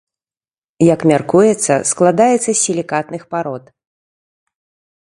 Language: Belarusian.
Як мяркуецца, складаецца з сілікатных парод.